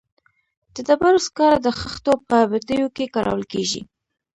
د ډبرو سکاره د خښتو په بټیو کې کارول کیږي